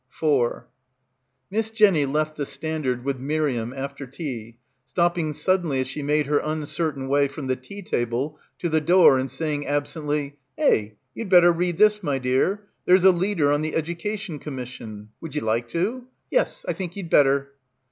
4 Miss Jenny left "The Standard" with Miriam after tea, stopping suddenly as she made her uncertain way from the tea table to the door and saying absently, "Eh, you'd better read this, my dear. There's a leader on the Education Commission. Would ye like to? Yes, I think you'd better."